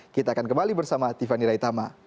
kita akan kembali bersama tiffany raitama